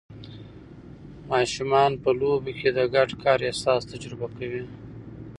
ماشومان په لوبو کې د ګډ کار احساس تجربه کوي.